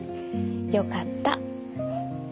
よかった。